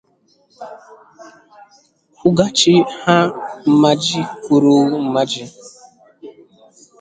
kwụghachi ha mmaji kwuru mmaji